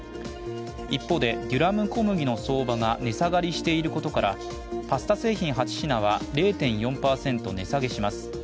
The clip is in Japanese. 一方でデュラム小麦の相場が値下がりしていることからパスタ製品８品は０．４％値下げします